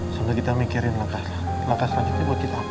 sambil kita mikirin langkah selanjutnya buat kita apa